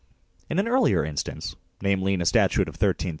In an earlier instance, namely, in a statute of 1331 (5 Edw.